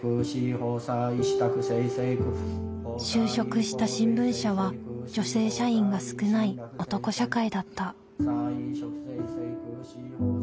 就職した新聞社は女性社員が少ない男社会だった。